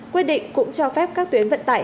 quyết định cũng cho phép các tuyến vận tải